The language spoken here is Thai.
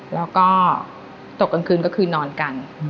แล้วก็ตกกลางคืนก็คือนอนกัน